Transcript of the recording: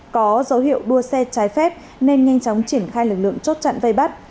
có dấu hiệu đua xe trái phép nên nhanh chóng triển khai lực lượng chốt chặn vây bắt